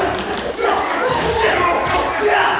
aku akan membantunya